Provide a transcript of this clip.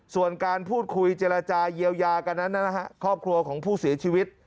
ส่วนการพูดคุยเจรจาเยียวยากันนั้นนะฮะครอบครัวของผู้เสียชีวิต